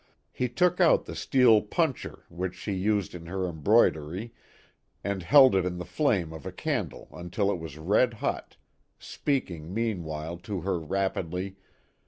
He took out the steel " puncher " which she used in her embroidery and held it in the flame of a candle until it was red hot speaking mean while to her rapidly.